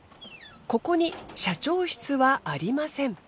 ここに社長室はありません。